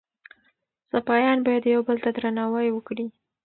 سپایان باید یو بل ته درناوی وکړي.